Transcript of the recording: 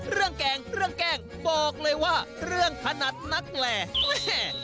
เรื่องแกล้งเรื่องแกล้งบอกเลยว่าเรื่องขนัดนักแหล่